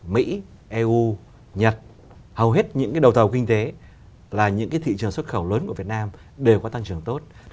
mỹ eu nhật hầu hết những cái đầu tàu kinh tế là những cái thị trường xuất khẩu lớn của việt nam đều có tăng trưởng tốt